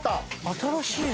新しいな。